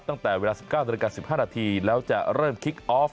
ตั้งแต่เวลา๑๙น๑๕นแล้วจะเริ่มคิกออฟ